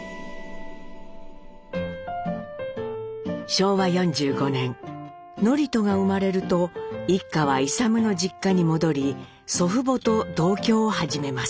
昭和４５年智人が生まれると一家は勇の実家に戻り祖父母と同居を始めます。